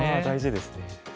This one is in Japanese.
大事ですね。